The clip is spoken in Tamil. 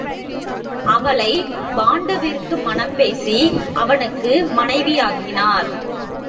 அவளைப் பாண்டுவிற்கு மணம்பேசி அவனுக்கு மனைவியாக்கினர்.